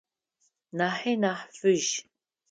Нахьи нахь фыжь.